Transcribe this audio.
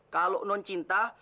kalau non cinta